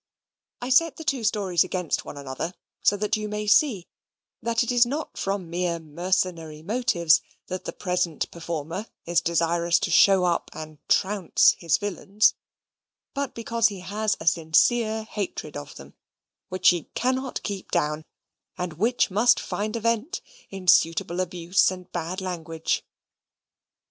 I set the two stories one against the other, so that you may see that it is not from mere mercenary motives that the present performer is desirous to show up and trounce his villains; but because he has a sincere hatred of them, which he cannot keep down, and which must find a vent in suitable abuse and bad language.